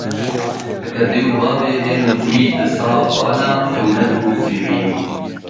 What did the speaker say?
Heke dê û bav ên wî di sax bane, ew ne dibû sêwî